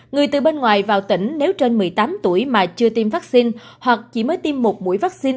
người từ bên ngoài vào tỉnh nếu trên một mươi tám tuổi mà chưa tiêm vaccine hoặc chỉ mới tiêm một mũi vaccine